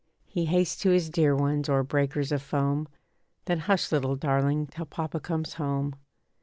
He hastes to his dear ones o'er breakers of foam. Then hush little darling till Papa comes home.